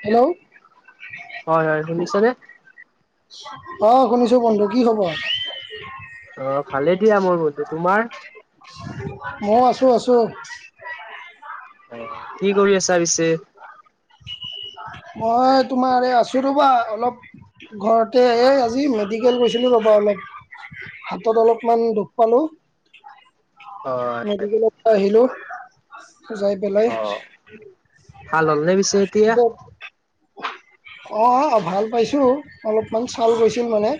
Hello. হয় হয়, শুনিছানে! অ', শুনিছোঁ বন্ধু। কি খবৰ? অ', ভালে দিয়া মোৰ বন্ধু, তোমাৰ। মইয়ো আছোঁ আছোঁ। অ', কি কৰি আছা পিছে। মই তোমাৰ এই আছোঁ ৰ'বা, অলপ। ঘৰতে, এই আজি মেডিকেল গৈছিলোঁ ৰ'বা, অলপ। হাতত অলপমান দুখ পালোঁ। হয়। মেডিকেলৰ পৰা আহিলোঁ, যাই পেলাই। অ' ভাল হ'লনে পিছে এতিয়া অ', ভাল পাইছোঁ, অলপমান ছাল গৈছিল মানে।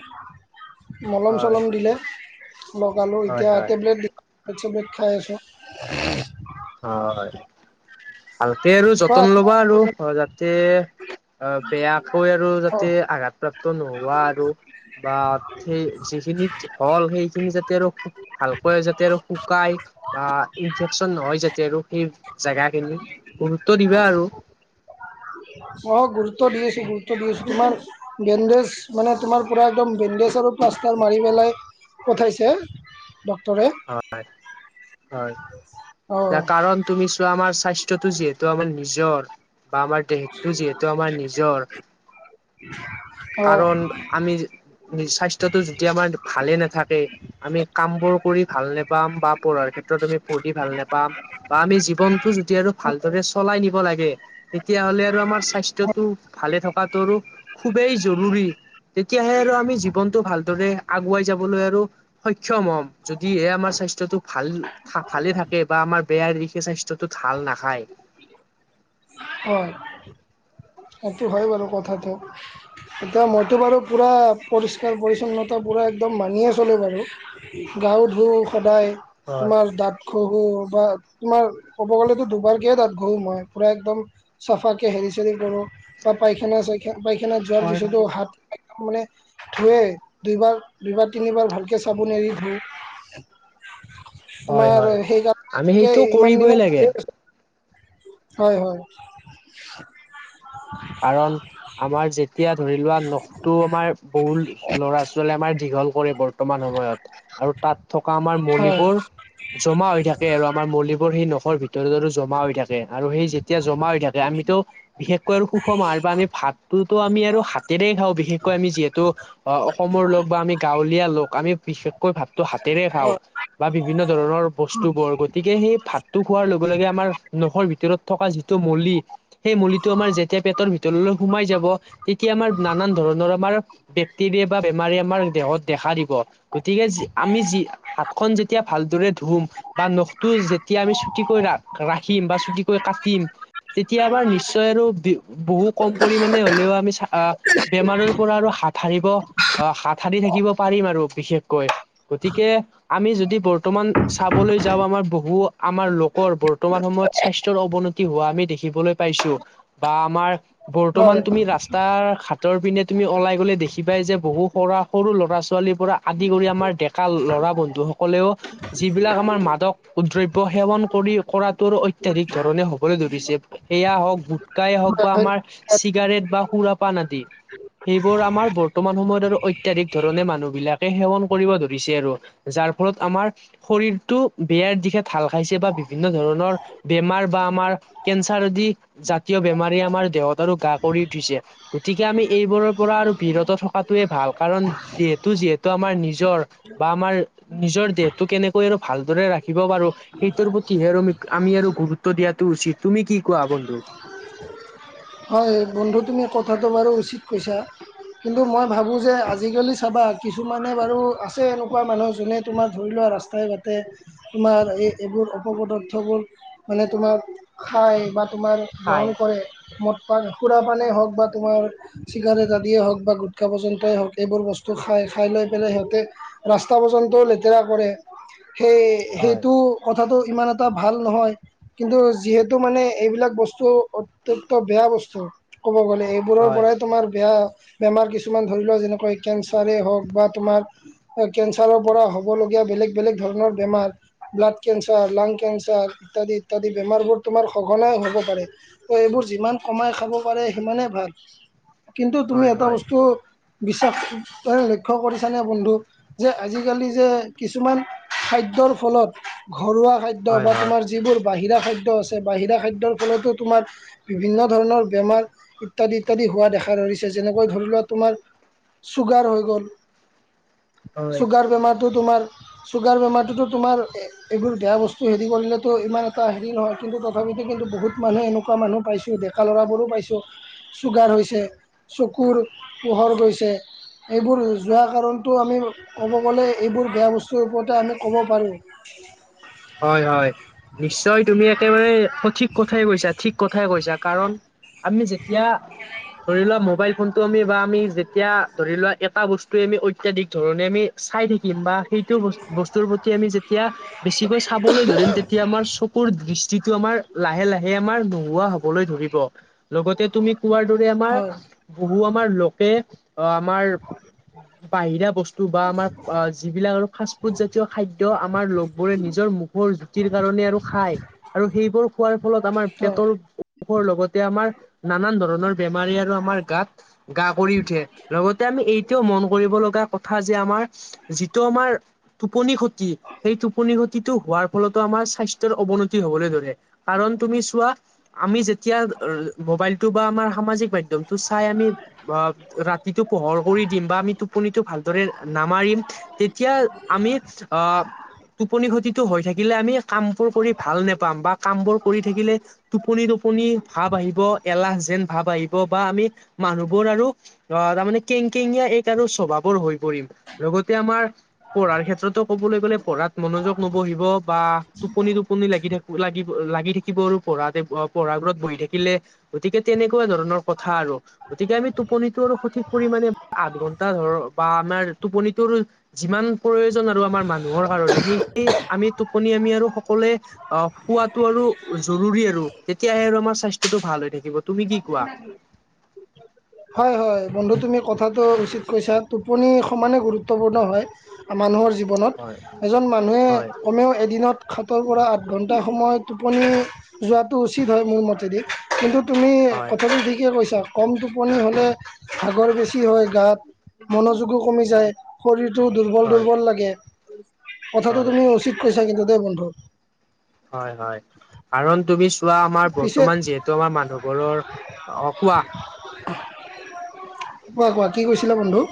মলম হয় চলম দিলে, লগালোঁ হয় এতিয়া হয় টেবলেট দিব টেবলেট খাই আছো। উম্। অ', হয়। ভালকে তাতে আৰু কোৱা যতন তোমাৰ ল'বা আৰু, খবৰ কেনে? যাতে অ', বেয়াকৈ আৰু অ যাতে আঘাত। প্ৰাপ্ত নোহোৱা আৰু বা সেই যিখিনিত হ'ল, সেইখিনি যাতে আৰু ভালকৈ যাতে আৰু শুকাই, বা ইনফেকচন নহয় যাতে। এ আৰু সেই জেগাখিনি। গুৰুত্ব দিবা আৰু অ', গুৰুত্ব দি আছোঁ, গুৰুত্ব দি আছোঁ, তোমাৰ। বেণ্ডেজ, মানে তোমাৰ পৰা একদম বেণ্ডেজ আৰু প্লাষ্টাৰ মাৰি পেলাই। পথাইছে। ডক্টৰে। হয়, হয়, অ ইয়াৰ কাৰণ। তুমি চোৱা, আমাৰ স্বাস্থ্যটো যিহেতু আমাৰ নিজৰ বা আমাৰ দেহতো যিহেতু আমাৰ নিজৰ, অ কাৰণ আমি স্বাস্থ্য টো যদি আমাৰ ভালে নাথাকে, আমি কাম বোৰ কৰি ভাল নাপাম, বা পঢ়াৰ ক্ষেত্ৰত আমি পঢ়ি ভাল নাপাম। বা আমি জীৱনটো যদি আৰু ভালদৰে চলাই নিব লাগে। তেতিয়া হ'লে আৰু আমাৰ স্বাস্থ্যটো ভালে থকাটো আৰু খুবেই জৰুৰী। তেতিয়াহে আৰু আমি জীৱনটো ভালদৰে আগুৱাই যাবলৈ আৰু সক্ষম হ'ম। যদিহে, এই আমাৰ স্বাস্থ্যটো ভাল ভালে থাকে বা আমাৰ বেয়াৰ দিশে স্বাস্থ্যটো ঢাল নাখায়। হয়। সেইটো হয় বাৰু, কথাটো। এতিয়া মইতো বাৰু, পুৰা পৰিষ্কাৰ-পৰিচ্ছন্নতা পুৰা একদম মানিয়ে চলোঁ বাৰু। গাওঁ ধুওঁ সদায়, হয় তোমাৰ দাঁত ঘহু বা তোমাৰ ক'ব গ'লেতো দুবাৰকে দাঁত ঘহু মই, পুৰা একদম চাফাকে হেৰি চৰি কৰোঁ, বা পাইখানা চাইখানা যোৱাৰ পিছতো হাত মানে ধোৱে, দুইবাৰ দুইবাৰ তিনিবাৰ ভালকে চাবোন এদি ধুও। হয় তোমাৰ হয় আমি সেইকাৰণে, সেইটো ইমান কৰিবই দিনে লাগে ভা হয় হয়। কাৰণ, আমাৰ যেতিয়া ধৰি লোৱা, নখ তো আমাৰ বহুত ল'ৰা ছোৱালীয়ে আমাৰ দীঘল কৰে বৰ্তমান সময়ত। আৰু তাত থকা আমাৰ হয় মলিবোৰ জমা হৈ থাকে আৰু আমাৰ মলিবোৰ সেই নখৰ ভিত ভিতৰত আৰু জমা হৈ থাকে, আৰু সেই যেতিয়া জমা হৈ থাকে আমিতো বিশেষকৈ আৰু সুষম আহাৰ বা আমি ভাত টোতো আমি আৰু হাতেৰে খাওঁ বিশেষকৈ আমি যিহেতু অ অসমৰ লোক বা আমি গাঁৱলীয়া লোক আমি বিশেষকৈ ভাত টো হাতেৰে খাওঁ বা বিভিন্ন ধৰণৰ বস্তু বোৰ গতিকে সেই ভাত টো খোৱাৰ লগে লগে আমাৰ নখৰ ভিতৰত থকা যিটো মলি, সেই মলিটো আমাৰ যে তিয়া পেটৰ ভিতৰলৈ সোমাই যাব, তেতিয়া আমাৰ নানান ধৰণৰ আমাৰ বেক্টেৰিয়া বা বেমাৰে আমাৰ দেহত দেখা দিব গতিকে যি আমি যি হাত খনন যেতিয়া ভালদৰে ধুম বা নখটো যেতিয়া আমি চুটিকৈ ৰাক ৰাখিম বা চুটিকৈ কাটিম তেতিয়া আমাৰ নিশ্চয় আৰু বহু কম পৰিমানে হলেও আমি চা বেমাৰৰ পৰা আৰু হাত সাৰিব অ হাত সাৰি থাকিব পাৰিম আৰু বিশেষকৈ। গতিকে আমি যদি বৰ্তমান চাবলৈ যাওঁ আমাৰ বহু আমাৰ লোকৰ বৰ্তমান সময়ত স্বাস্থ্য অৱনতি হোৱা আমি দেখিবলৈ পাইছো বা আমাৰ হয় বৰ্তমান তুমি ৰাচ তাৰ ঘাতৰ পিনে তুমি ওলাই গ'লে দেখিবাই যে বহু সৰা সৰু ল'ৰা ছোৱালীৰ পৰা আদি কৰি আমাৰ ডেকা লৰা বন্ধু সকলেওঁ যিবিলাক আমাৰ মাদক দ্ৰব্য সেৱন কৰি কৰাটোৰ ঐত্যাধিক ধৰণে হবলৈ ধৰিছে। সেয়া হওক গুটকাই হওক হয় বা আমাৰ হয় চিগাৰেট বা সুৰা পান আদি। সেইবোৰৰ আমাৰ বৰ্তমান সময়ত আৰু অত্যাধিক ধৰণে মানুহ বিলাকে সেৱন কৰিব ধৰিছে আৰু। যাৰ ফলত আমাৰ শৰীৰটো বেয়াৰ দিশে ঢাল খাইছে বা বিভিন্ন ধৰণৰ বেমাৰ বা আমাৰ কেন্সাৰ আদি তীয় বেমাৰীয়ে আমাৰ দেহত আৰু গা কৰি উঠিছে। গতিকে আমি এইবোৰৰ পৰা আৰু বিৰত থকাটোৱে ভাল, কাৰণ যিহেতু যিহেতু আমাৰ নিজ নিজৰ বা আমাৰ নিজৰ দেহটো কেনেকৈ আৰু ভালদৰে ৰাখিব পাৰো সেইটোৰ প্ৰতিহে মি আমি আৰু গুৰুত্ব দিয়াটো উচিত। তুমি কি কোৱা বন্ধু? হয় বন্ধু তুমি কথাটো বাৰু উচিত কৈছা। কিন্তু মই ভাবোঁ যে আজি কালি চাবা কিছুমানে বাৰু আছে এনেকুৱা মানুহ যোনে তোমাৰ ধৰি লোৱা ৰাস্ স্তাই বাতে তোমাৰ এই এইবোৰ অপ-পদাৰ্থবোৰৰ মানে তোমাক খায় বা তোমাৰ হয় গ্ৰহণ কৰে মদ পান খুৰা পানেই হওক বা তোমাৰ চিগাৰেট আদিয়ে হওক বা গুটখা পৰ্যন্তই হওক, এইবোৰ বস্তু খায় খাইলৈ পেলাই সিহঁতে ৰাস্তা পৰ্যন্তও লেতেৰা কৰে, সেই হয় সেইটো কথাটো ইমান এটা ভাল নহয়, কিন্তু যিহেতু মানে এইবিলাক বস্তু প্ৰতক্ত বেয়া বস্তু, কব গ'লে এইবোৰৰ হয় হয় পৰাই তোমাৰ বেয়া বেমাৰ কিছুমান ধৰি লওক যেনেকৈ কেঞ্চাৰেই হওক বা তোমাৰ কেঞ্চাৰৰ পৰা হ'ব লগীয়া বেলেগ বেলেগ ধৰণৰ বেমাৰ ব্লাড কেঞ্চাৰ, লাং কেঞ্চাৰ ইত্যাদি ইত্যাদি বেমাৰবোৰ তোমাৰ সঘনাই হ'ব পাৰে। এইবোৰ যিমান কমাই খাব পাৰে সিমানে ভাল। কিন্তু তুমি হয় এটা হয় বস্তু বিশ্বাস তই লক্ষ্য কৰিছানে বন্ধু? যে আজি কালি যে কিছুমান খাদ্যৰ ফলত ঘৰুৱা খাদ্ খাদ্য হয় বা হয় তোমাৰ যিবোৰ বাহিৰা খাদ্য আছে বাহিৰা খাদ্যৰ ফলতো তোমাৰ বিভিন্ন ধৰণৰ বেমাৰ ইত্যাদি ইত্যাদি হোৱা দেখা ধৰিছে, যেনেকৈ ধৰি লোৱা তোমাৰ চুগাৰ হৈ গ'ল, হয়, চুগাৰ বেমাৰটো তোমাৰ চুগাৰ বেমাৰটোতো তোমাৰ এইবোৰ বেয়া বস্তু হেৰি কৰিলেতো ইমান এটা হেৰি নহয়। কিন্তু তথাপিতো কিন্তু বহুত মানুহে এনে এনেকুৱা মানুহ পাইছো, ডেকা ল'ৰাবোৰো পাইছো। চুগাৰ হৈছে, চকুৰ পোহৰ গৈছে। এইবোৰ যোৱা কাৰণটো আমি ক'ব গ'লে এইবোৰ বেয়া বস্তুৰ ওপৰতে আমি ক'ব পাৰোঁ। হয় হয় নিশ্চয় তুমি একেবাৰে সঠিক কথাই কৈছা, ঠিক কথাই কৈছা কাৰণ আমি যেতিয়া ধৰি লোৱা মোবাইল ফোনটো আমি বা আমি যে এতিয়া ধৰি লোৱা এটা বস্তুৱে আমি অত্যাধিক ধৰণে আমি চাই থাকিম বা সেইটো বস্তুৰ প্ৰতি আমি যেতিয়া বেছিকৈ চাবলৈ ধৰিম তেতিয়া আমাৰ চকুৰ দৃষ্টিটো আমাৰ লাহে লাহে আমাৰ নোহোৱা হ'বলৈ ধৰিব। লগতে তুমি কোৱাৰ দৰে আমাৰ হয় বহু আমাৰ লকে আ আমাৰ বাহিৰা বস্তু বা আমাৰ যিবিলাক আৰু ফাষ্ট ফুড জাতীয় খাদ্য আমাৰ লগবোৰে নিজৰ মুখৰ জুতিৰ কাৰণে আৰু খাই আৰু সেইবোৰ খোৱাৰ ফলত আমাৰ হয় পেটৰ পেটৰ লগতে আমাৰ নানান ধৰণৰ বেমাৰী আৰু আমাৰ গাত গা কৰি উঠে। লগতে আমি এইটোও মন কৰিব লগা কথা যে আমাৰ যিটো আমাৰ টোপনি খতি সেই টোপনি খতি হোৱাৰ ফলতো আমাৰ স্বাস্থ্যৰ অৱনতি হ'বলৈ ধৰে, কাৰণ তুমি চোৱা আমি যেতিয়া মোবাইলটো বা আমাৰ সামাজিক মাধ্যমটো চাই আমি বা ৰাতিটো পোহৰ কৰি দিম বা আমি টোপনিটো ভালদৰে নামাৰিম তেতিয়া আমি আ টোপনি খতিটো হৈ থাকিলে আমি কামবোৰ কৰি ভাল নাপাম বা কামবোৰ কৰি থাকিলে টোপনি টোপনি ভাব আহিব, এলাহ যেন ভাব আহিব বা আমি মানুহবোৰ আৰু আ তাৰমানে কেংকেঙীয়া এক আৰু স্বভাৱৰ হৈ পৰিম লগতে আমাৰ পঢ়াৰ ক্ষেত্ৰতো ক'বলৈ গ'লে পঢ়াত মনোযোগ নবহিব বা টোপনি টোপনি লাগি থা লাগিব লাগি থাকিব আৰু পঢ়াতে পঢ়া ঘৰত বহি থাকিলে গতিকে তেনেকুৱা ধৰণৰ কথা আৰু। গতিকে আমি টোপনিটো আৰু সঠিক পৰিমাণে আঠ ঘন্টা ধৰক বা আমাৰ টোপনিটোৰ যিমান প্ৰয়োজন আৰু আমাৰ মানুহৰ কাৰণে সেই এই আমি টোপনি আমি আৰু সকলোৱে অ' শুৱাটো আৰু জৰুৰী আৰু তেতিয়াহে আৰু আমাৰ স্বাস্থ্যটো ভাল হৈ থাকিব। তুমি কি কোৱা? হয় হয় বন্ধু তুমি কথাটো উচিত কৈছা টোপনি সমানে গুৰুত্বপূৰ্ণ হয়। মানুহৰ জীৱনত, হয় এজন মানুহে হয় কমেও এদিনত সাতৰ পৰা আঠ ঘণ্টা সময় টোপনি যোৱাটো উচিত হয় মোৰ মতেদি। কিন্তু তুমি হয় কথাটো ঠিকে কৈছা কম টোপ টোপনি হ'লে ভাগৰ বেছি হয় গাত, মনোযোগো কমি যায়। শৰীৰটো দুৰ্বল হয় দুৰ্বল লাগে। কথাটো হয় তুমি উচিত কৈছা কিন্তু দেই বন্ধু। হয় হয়, কাৰণ তুমি আমাৰ পিছে বৰ্তমান যিহেতু আমাৰ মানুহবোৰৰ অ' কোৱা। কোৱা কোৱা কি কৈছিলা বন্ধু?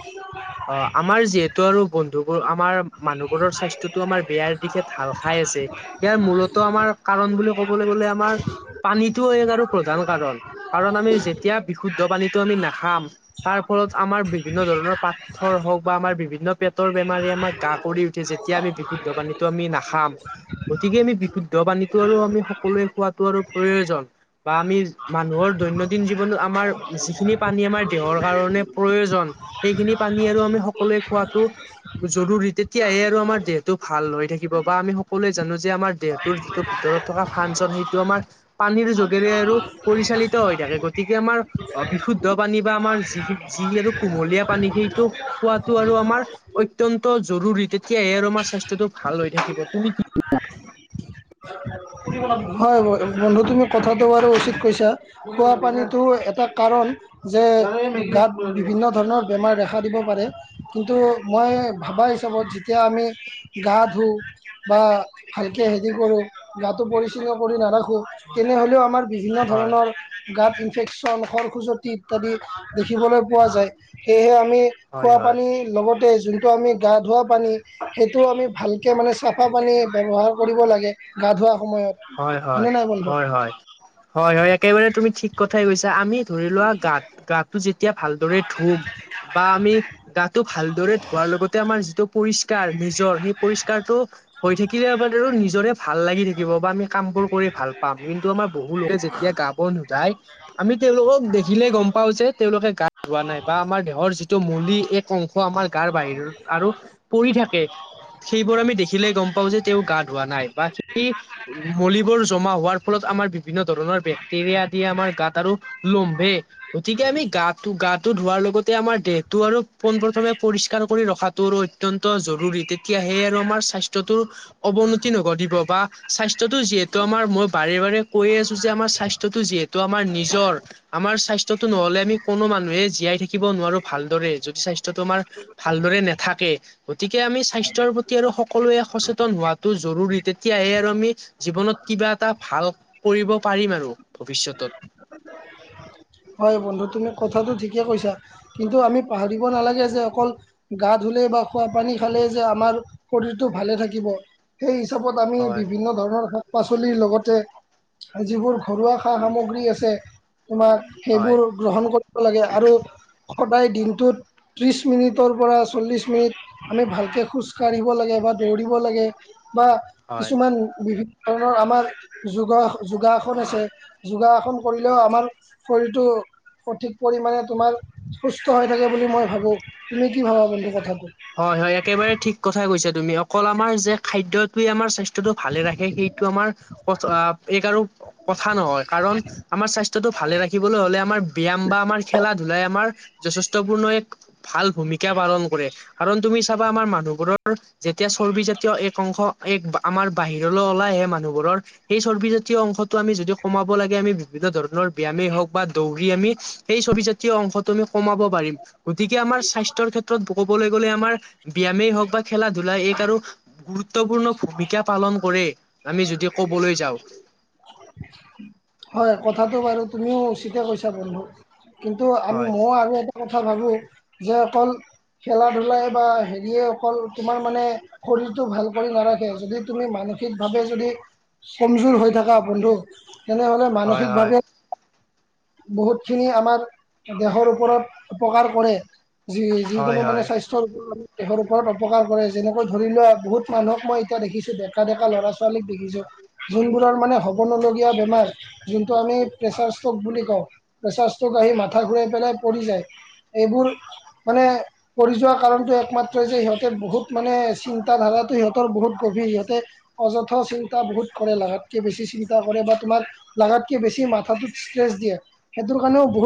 অ' আমাৰ যি [unintelligible] আৰু বন্ধুবোৰ আমাৰ মানুহবোৰৰ স্বাস্থ্যতো আমাৰ বেয়াৰ দিশে ঢাল খাই আছে। ইয়াৰ মূলত আমাৰ কাৰণ বুলি ক'বলৈ গ'লে আমাৰ পানীটো এই আৰু প্ৰধান কাৰণ, কাৰণ আমি যেতিয়া বিশুদ্ধ পানীটো আমি নাখাম তাৰ ফলত আমাৰ বিভিন্নধৰণৰ পাথৰ হওঁক বা আমাৰ বিভিন্ন পেট পতৰ বেমাৰাৰে আমাক গা কৰি উঠে যেতিয়া আমি বিশুদ্ধ পানীটো আমি নাখাম গতিকে আমি বিশুদ্ধ পানীটো আৰু আমি সকলোৱে খোৱাতটো আৰু প্ৰয়োজন বা আমি মানুহৰ দৈনন্দিন জীৱনত আমাৰ যিখিনি পানী আমাৰ দেহৰ কাৰণে প্ৰয়োজন সেইখিনি পানী আৰু আমি সকলোৱে খোৱাতো জৰুৰী তেতিয়াহে আৰু আমাৰ দেহটো ভাল হৈ থাকিব বা আমি সকলোৱে জানো যে আমাৰ - দেহটোৰ যিটো ভিতৰত থকা ফাংঞ্চ সেইটো আমাৰ পানীৰ যোগেৰে আৰু - পৰিচালিত হৈ থাকে গতিকে আমাৰ - অ বিশুদ্ধ পানী বা আমাৰ যি যি আৰু কুমলীয়া পানী সেই - টো খোৱাটো আৰু আমাৰ অত্যন্ত জৰুৰী তে - তেতিয়াহে আৰু আমাৰ স্বাস্থ্যটো ভাল হৈ থাকিব তুমি কি - হয় বন্ধু তুমি কথাটো বাৰু উচিত কৈছা - খোৱা পানীটো এটা কাৰণ। যে গাত বিভিন্ন ধৰণৰ বেমাৰ দেখা দিব পাৰে। কিন্তু মই ভাবা হিচাপত যেতিয়া আমি গা ধুওঁ - বা ভালকে হেৰি কৰোঁ গাটো পৰিচ্ছন্ন কৰি নাৰাখোঁ তেনে হ'লে আমাৰ - বিভিন্ন হয় ধৰণৰ - গাঁত ইনফেকচন খৰ খুজুৱতি ইত্যাদি দেখিবলৈ পোৱা যায়, সেয়েহে আমি - হয় খোৱা হয় পানী লগতে যোনটো আমি গা ধোৱা পানী - সেইটো আমি ভালকে মানে চাফা পানী ব্যৱহাৰ কৰিব লাগে গা ধোৱা সময়ত। হয় হয়, হয়নে নাই বন্ধু হয় হয়, হয় হয় একে - একেবাৰে তুমি ঠিক কথাই কৈছা, আমি ধৰি লোৱা গাত গাতটো যে - যেতিয়া ভালদৰে ধুম বা আমি গাটো ভালদৰে ধোৱাৰ লগতে আমাৰ যিটো - পৰিষ্কাৰ নিজৰ সেই পৰিষ্কাৰটো হৈ থাকিলে আমাৰ নিজৰে ভাল লাগি থাকিব বা আমি - কাম বোৰ কৰি ভাল পাম, কিন্তু আমাৰ বহু লোকে যেতিয়া গাব নোধায় - আমি তেওঁলোকক দেখিলে গম পাও যে তেওঁলোকে গা ধোৱা নাই বা আমাৰ দেহৰ যিটো মলী এক - অংশ আমাৰ গাৰ বাহিৰত আৰু পৰি থাকে। সেইবোৰ আমি দেখিলেই গম পাওঁ যে তেওঁ গা ধোৱা নাই বা সেই - জমা হোৱাৰ ফলত আমাৰ বিভিন্ন ধৰণৰ বেক্টেৰিয়া আদিয়ে আমাৰ গাত আৰু লম্ভে - গতিকে আমি গাটো গাটো ধোৱাৰ লগতে আমাৰ দেহটো আৰু পোন প্ৰথমে পৰিষ্কাৰ কৰি ৰখাত - টোৰো অত্যন্ত জৰুৰী তেতিয়া হে আৰু আমাৰ স্বাস্থ্যটো অৱনতি নঘটিব বা - স্বাস্থ্যটো যিহেতু আমাৰ মই বাৰে বাৰে কৈয়ে আছো যে আমাৰ স্বাস্থ্যটো যিহেতু আমাৰ নিজৰ - আমাৰ স্বাস্থ্যটো নহলে আমি কোনো মানুহে জীয়াই থাকিব নোৱাৰো ভালদৰে যদি স্বাস্থ্যটো আমাৰ - ভালদৰে নেথাকে। গতিকে আমি স্বাস্থ্যৰ প্ৰতি আৰু সকলোৱে সচেতন হোৱাটো জৰুৰী তেতিয়াহে আৰু - আমি জীৱনত কিবা এটা ভাল কৰিব পাৰিম আৰু ভৱিষ্যতত। হয় বন্ধু তুমি কথাটো ঠিকেই কৈছা, কিন্তু আমি পাহৰিব নালাগে যে অকল - গা ধুলে বা খোৱা পানী খালে যে আমাৰ শৰীৰটো ভালে থাকিব - সেই হিচাপত আমি হয় বিভিন্ন - ধৰণৰ শাক পাচলিৰ লগতে যিবোৰ ঘৰুৱা সা সামগ্ৰী আছে তোমাৰ - হয় সেইবোৰ গ্ৰহণ কৰিব লাগে আৰু সদায় দিনটোত - ত্ৰিছ মিনিটৰ পৰা চল্লিছ মিনিট - আমি ভালকে খোজ কাঢ়িব লাগে বা দৌৰিব লাগে বা হয়। কিছুমান বিভি - ধৰণৰ আমাৰ যোগ যোগাসন আছে যোগাসাসন কৰিলেও আমাৰ - শৰীৰ টো সঠিক পৰিমাণে তোমাৰ সুস্থ হৈ থাকে বুলি মই ভাবো তুমি কি ভাবা বন্ধু কথাটো। হয় হয় একেবাৰে ঠিক কথাই কৈছা তুমি। অ কল আমাৰ যে খাদ্যটোৱে আমাৰ স্বাস্থ্যটো ভালে ৰাখে সেইটো আমাৰ এক আৰু কথা নহয়। কাৰণ আমাৰ স্বাস্থ্যটো ভালে ৰাখিবলৈ হলে আমাৰ ব্যায়াম বা আমাৰ খেলা ধূলাই আমাৰ যথেষ্ট পূৰ্ণ এক ভাল ভূমিকা পালন কৰে। কাৰণ তুমি চাবা আমাৰ মানুহবোৰৰ যেতিয়া চৰ্বি জাতীয় এক অংশ এক আমাৰ বাহিৰলৈ ওলাই আহে মানুহবোৰৰ সেই চৰ্বিজাতীয় অংশটো আমি যদি কমাব লাগে আমি বিভিন্ন ধৰণৰ ব্যায়ামে হওক বা দৌৰি আমি সেই চৰ্বি জাতীয় অংশটো আমি কমাব পাৰিম। গতিকে আমাৰ স্বাস্থ্যৰ ক্ষেত্ৰত কবলৈ গলে আমাৰ ব্যায়ামে হওক বা খেলা-ধূলা এক আৰু গুৰুত্বপূৰ্ণ ভূমিকা পালন কৰে, আমি যদি কবলৈ যাওঁ। হয় কথাটো বাৰু তুমিও উচিতে কৈছা বন্ধু। কিন্তু আমি হয় মই আৰু এটা কথা ভাবো যে অকল খেলা-ধূলাই বা অকল তোমাৰ মানে শৰীৰটো ভাল কৰি নাৰাখে। যদি তুমি মানসিক ভাৱে যদি কমজোৰ হৈ থাকা বন্ধু তেনেহলে হয় হয় মানসিকভাৱে বহুতখিনি আমাৰ দেহৰ ওপৰত উপকাৰ কৰে। যি-যিকোনো হয় মানে হয় স্বাস্থ স্থ্য ওপৰত দেহৰ ওপৰত অপকাৰ কৰে, যেনেকৈ ধৰি লোৱা বহুত মানুহক মই এতিয়া দেখিছোঁ ত ডেকা লৰা-ছোৱালীক দেখিছো। যোনবোৰৰ মানে হ'ব নলগীয়া বেমাৰ যোনটো আমি প্ৰেচাৰ ষ্টক বুলি কওঁ! প্ৰেচাৰ ষ্টক আহি মাথা ঘূৰাই পেলাই পৰি যায়। এইবোৰ মানে পৰি যোৱা কাৰণটোৱে একমাত্ৰ যে সিহঁতে বহুত মানে চিন্তাধাৰাটো সিহঁতৰ বহুত গভীৰ। সিহঁতে অযথা চিন্তা বহুত কৰে, লাগাতকে বেছি চিন্তা কৰে। বা তোমাৰ লাগাতকে বেছি মাথাটোত ষ্ট্ৰেচ দিয়ে, সেইটোৰ কাৰণেও বহুত